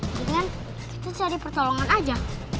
jangan kita cari pertolongan aja